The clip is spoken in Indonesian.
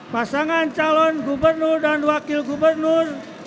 pasangan calon gubernur dan wakil gubernur